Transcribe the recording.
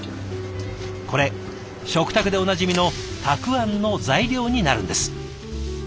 これ食卓でおなじみのたくあんの材料になるんです。